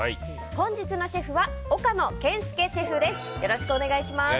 本日のシェフは岡野健介シェフです。